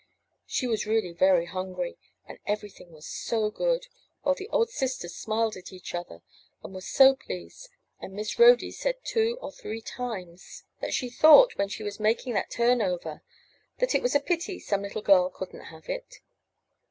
She was really very hungry, and everything was so good, while the old sisters smiled at each other and were so pleased, and Miss Rhody said two or three times 445 MY BOOK HOUSE that she thought when she was making that turn over that it was a pity some little girl couldn't have it.